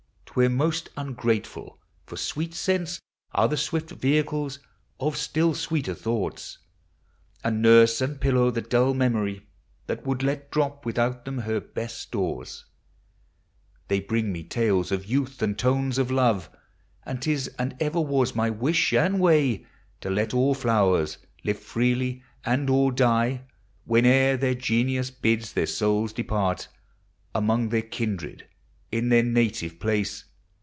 'T were most ungrateful; for sweet scents Are the swift vehicles of still sweeter thoughts, And nurse and pillow the dull memory That would let drop without them her best stores. TREES: FLOWERS: PLANTS. 345 They bring me tales of youth and tones of love, And 't is and ever was my wish and way To let all flowers live freely, and all die (Whene'er their Genius bids their souls depart) Among their kindred in their native place.